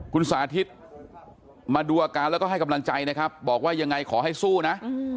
คุณสาธิตมาดูอาการแล้วก็ให้กำลังใจนะครับบอกว่ายังไงขอให้สู้นะ